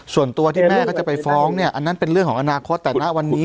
ส่วนตัวที่แม่ก็จะไปฟ้องเนี่ยอันนั้นเป็นเรื่องของอนาคตแต่ณวันนี้